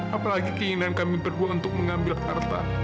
apalagi keinginan kami berdua untuk mengambil harta